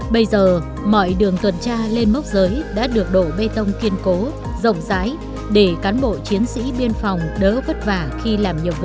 bây giờ mọi đường tuần tra lên mốc giới đã được đổ bê tông kiên cố rộng rãi để cán bộ chiến sĩ biên phòng đỡ vất vả khi làm nhiệm vụ